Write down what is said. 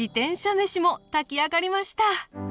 めしも炊き上がりました。